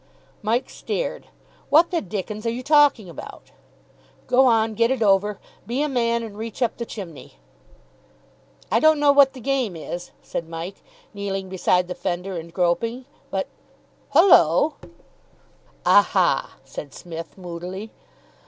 Mike stared, "What the dickens are you talking about?" "Go on. Get it over. Be a man, and reach up the chimney." "I don't know what the game is," said Mike, kneeling beside the fender and groping, "but Hullo!" "Ah ha!" said Psmith moodily.